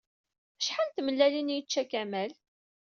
Acḥal n tmellalin ay yečča Kamal?